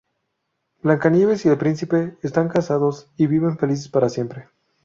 Blancanieves y el Príncipe están casados y viven felices para siempre.